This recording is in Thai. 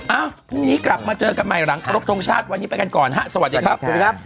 เอ้าพรุ่งนี้กลับมาเจอกันใหม่หลังพระรกฎงชาติวันนี้ไปกันก่อนฮะสวัสดีครับ